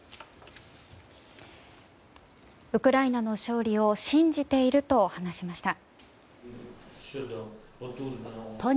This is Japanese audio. ウクライナの勝利を信じていると話しました。